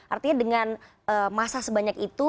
artinya dengan masa sebanyak itu